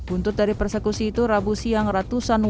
buntut dari persekusi itu rabu siang ratusan warga